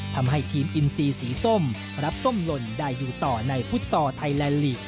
ทำให้ทีมอินซีสีส้มรับส้มหล่นได้อยู่ต่อในฟุตซอร์ไทยแลนดลีก